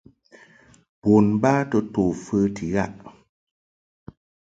Bon ba to to fəti ghaʼ.